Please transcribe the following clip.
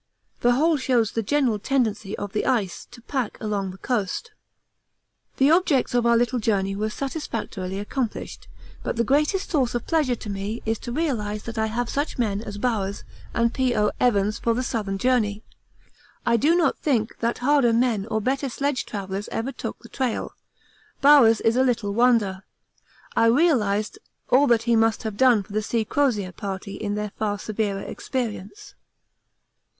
The whole shows the general tendency of the ice to pack along the coast. The objects of our little journey were satisfactorily accomplished, but the greatest source of pleasure to me is to realise that I have such men as Bowers and P.O. Evans for the Southern journey. I do not think that harder men or better sledge travellers ever took the trail. Bowers is a little wonder. I realised all that he must have done for the C. Crozier Party in their far severer experience.